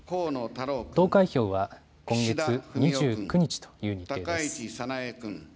投開票は今月２９日という日程です。